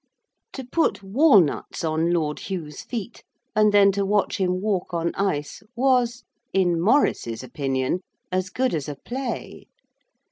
To put walnuts on Lord Hugh's feet and then to watch him walk on ice was, in Maurice's opinion, as good as a play.